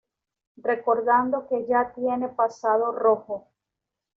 Recordando que ya tiene pasado rojo.